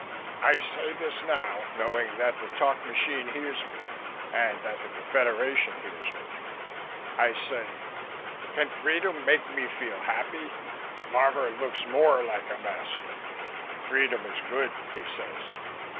I say this now, knowing that the talk machine hears me and that the Confederation hears me. I say: "Can freedom make me feel happy?" Marvor looks more like a master. "Freedom is good," he says.